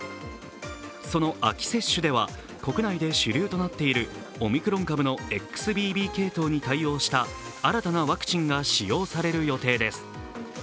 その秋接種では、国内で主流となっているオミクロン株のＸＢＢ系統に対応した新たなワクチンが使用される予定です。